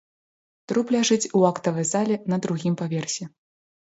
Труп ляжыць у актавай зале на другім паверсе.